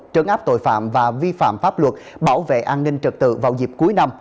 trấn áp tội phạm và vi phạm pháp luật bảo vệ an ninh trật tự vào dịp cuối năm